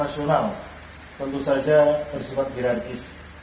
yang bersifat nasional tentu saja bersifat girarkis